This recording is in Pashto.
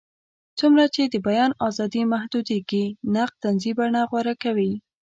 څومره چې د بیان ازادي محدودېږي، نقد طنزي بڼه غوره کوي.